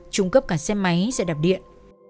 trung cấp cả xe máy xe đạp điện